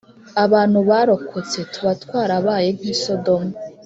abantu barokotse, tuba twarabaye nk’i Sodomu